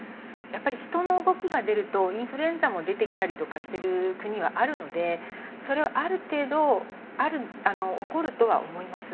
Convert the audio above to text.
やっぱり人の動きが出るとインフルエンザも出てきたりとかしてる国はあるのでそれはある程度起こるとは思います。